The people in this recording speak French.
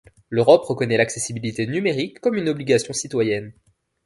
L'Europe reconnaît l'accessibilité numérique comme une obligation citoyenne.